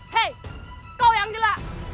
hei kau yang gila